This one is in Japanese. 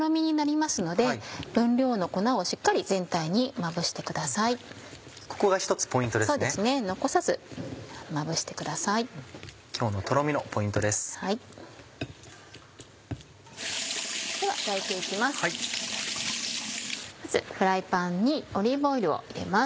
まずフライパンにオリーブオイルを入れます。